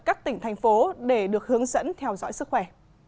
các tỉnh thành phố để được hướng dẫn theo dõi sức khỏe